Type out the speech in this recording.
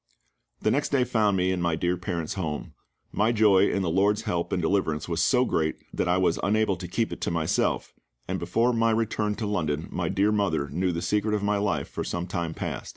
The next day found me in my dear parents' home. My joy in the LORD's help and deliverance was so great that I was unable to keep it to myself, and before my return to London my dear mother knew the secret of my life for some time past.